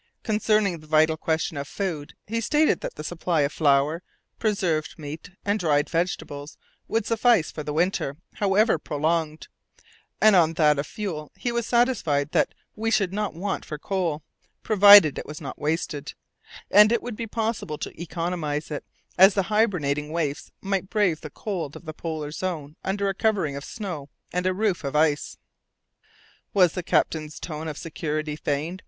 Concerning the vital question of food, he stated that the supply of flour, preserved meat, and dried vegetables would suffice for the winter, however prolonged, and on that of fuel he was satisfied that we should not want for coal, provided it was not wasted; and it would be possible to economize it, as the hibernating waifs might brave the cold of the polar zone under a covering of snow and a roof of ice. Was the captain's tone of security feigned?